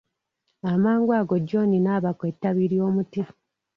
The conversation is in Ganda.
Amangu ago John n'abaka ettabi ly'omuti.